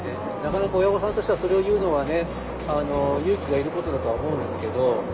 なかなか親御さんとしてはそれを言うのは勇気がいることだとは思うんですけど。